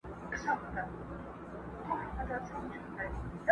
ځان د مرګي غیږي ته مه ورکوی خپل په لاس!!